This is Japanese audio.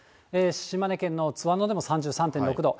島根県の津和野でも３３．６度。